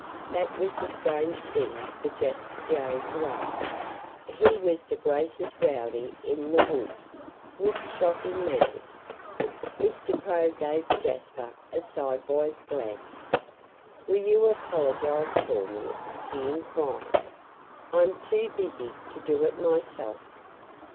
That was a strange thing for Jasper Jay to ask. He was the greatest rowdy in the woods, with shocking manners. Mr. Crow gave Jasper a sidewise glance. "Will you apologize for me?" he inquired. "I'm too busy to do it myself."